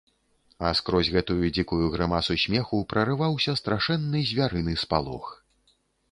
А скрозь гэтую дзікую грымасу смеху прарываўся страшэнны звярыны спалох.